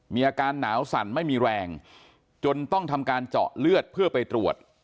มีอาการหนาวสั่นไม่มีแรงจนต้องทำการเจาะเลือดเพื่อไปตรวจ